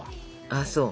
あっそう。